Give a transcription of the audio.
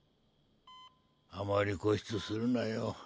あまり固執するなよ。